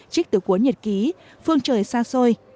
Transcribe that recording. trích từ cuốn nhật ký phương trời xa xôi